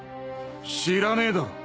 知らねえだろ。